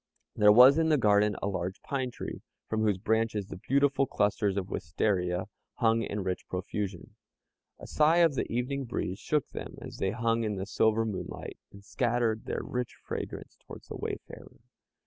There was in the garden a large pine tree, from whose branches the beautiful clusters of a wistaria hung in rich profusion. A sigh of the evening breeze shook them as they hung in the silver moonlight, and scattered their rich fragrance towards the wayfarer.